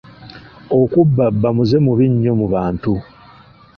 Okubbabba muze mubi nnyo mu bantu.